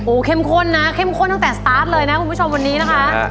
เข้มข้นนะเข้มข้นตั้งแต่สตาร์ทเลยนะคุณผู้ชมวันนี้นะคะ